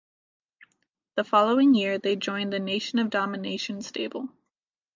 The following year, they joined the Nation of Domination stable.